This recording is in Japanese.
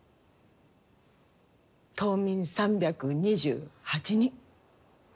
島民３２８人。